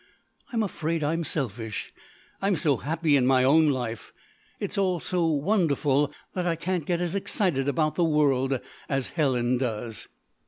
I'm afraid I'm selfish; I'm so happy in my own life it's all so wonderful that I can't get as excited about the world as Helen does."